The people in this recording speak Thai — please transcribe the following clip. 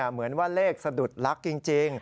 เหมือนว่าเลขสะดุดลักษณ์จริง